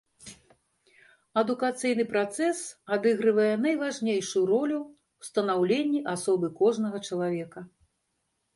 Адукацыйны працэс адыгрывае найважнейшую ролю ў станаўленні асобы кожнага чалавека.